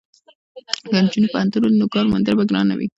که نجونې پوهنتون ولولي نو د کار موندل به ګران نه وي.